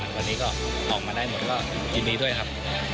วันนี้ก็ออกมาได้หมดก็ยินดีด้วยครับ